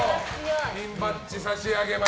ピンバッジ差し上げます。